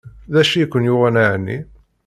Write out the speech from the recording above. D acu ay ken-yuɣen ɛni?